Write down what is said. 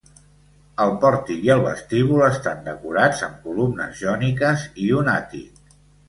El pòrtic i el vestíbul estan decorats amb columnes jòniques i un àtic.